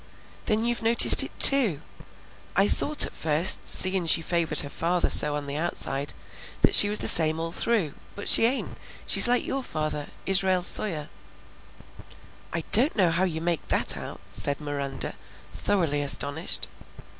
"Then you've noticed it too! I thought at first, seein' she favored her father so on the outside, that she was the same all through; but she ain't, she's like your father, Israel Sawyer." "I don't see how you make that out," said Miranda, thoroughly astonished.